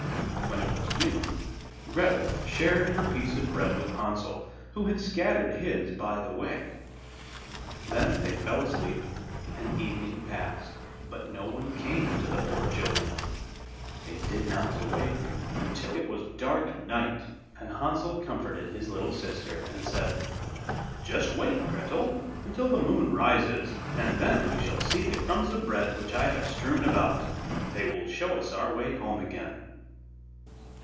When it was noon, Gretel shared her piece of bread with Hansel, who had scattered his by the way. Then they fell asleep and evening passed, but no one came to the poor children. They did not awake until it was dark night, and Hansel comforted his little sister and said: 'Just wait, Gretel, until the moon rises, and then we shall see the crumbs of bread which I have strewn about, they will show us our way home again.